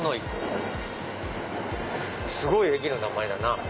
すごい駅の名前だな。